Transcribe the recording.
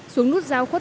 xuống nút giao khoa